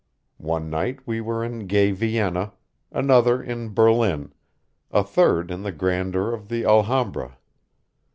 One night we were in gay Vienna, another in Berlin, a third in the grandeur of the Alhambra.